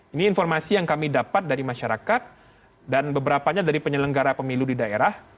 ini informasi yang kami dapat dari masyarakat dan beberapanya dari penyelenggara pemilu di daerah